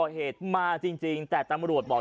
ชาวบ้านญาติโปรดแค้นไปดูภาพบรรยากาศขณะ